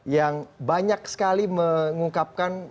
yang banyak sekali mengungkapkan